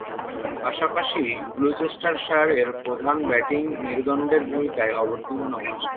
পাশাপাশি গ্লুচেস্টারশায়ারের প্রধান ব্যাটিং মেরুদণ্ডের ভূমিকায় অবতীর্ণ হন।